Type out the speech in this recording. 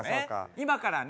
今からね